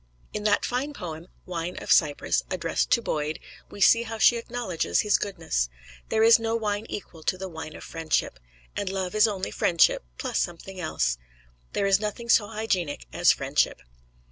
In that fine poem, "Wine of Cyprus," addressed to Boyd, we see how she acknowledges his goodness. There is no wine equal to the wine of friendship; and love is only friendship plus something else. There is nothing so hygienic as friendship.